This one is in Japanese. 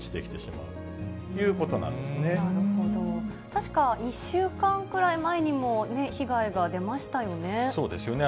確か２週間くらい前にも、被害が出ましたよね。